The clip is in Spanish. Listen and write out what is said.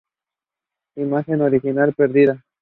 Imagen original perdida.